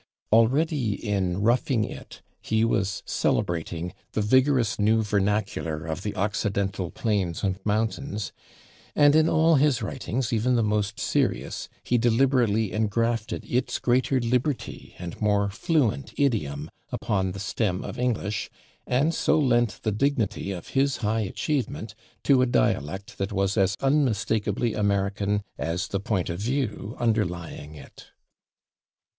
Already in "Roughing It" he was celebrating "the vigorous new vernacular of the [Pg017] occidental plains and mountains," and in all his writings, even the most serious, he deliberately engrafted its greater liberty and more fluent idiom upon the stem of English, and so lent the dignity of his high achievement to a dialect that was as unmistakably American as the point of view underlying it.